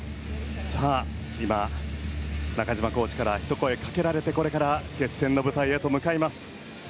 さあ、中島コーチからひと声かけられてこれから決戦の舞台へ向かいます。